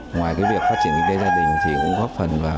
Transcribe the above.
ngoài việc phát triển kinh tế gia đình thì cũng góp phần vào